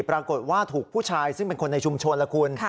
ปรากฏว่าถูกผู้ชายซึ่งเป็นคนในชุมชนล่ะคุณ